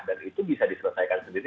dan itu bisa diselesaikan sendiri